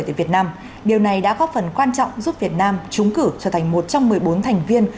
tại việt nam điều này đã góp phần quan trọng giúp việt nam trúng cử trở thành một trong một mươi bốn thành viên